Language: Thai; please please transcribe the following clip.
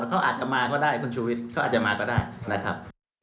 เขาอาจจะมาก็ได้คุณชูวิทย์เขาอาจจะมาก็ได้นะครับ